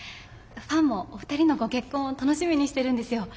ファンもお二人のご結婚を楽しみにしてるんですよ。